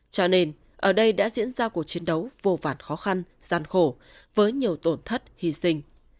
cho nên ở đây đã diễn ra cuộc chiến đấu vô vàn khó khăn gian khổ với nhiều tổn thất hy sinh